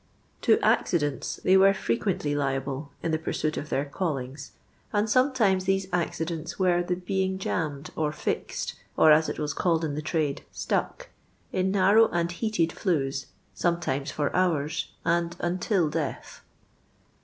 To accidinU they were frequently liable in the pursuit of their adiings. and sometimes these accidents were the being jammed or fixed, or. as it was called jn the tnde, " stuck," in narrow and heated fliu^s, sometimes fur hours, and until death.